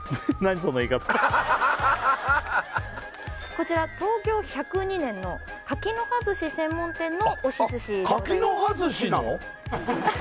こちら創業１０２年の柿の葉寿司専門店の押し寿司でございます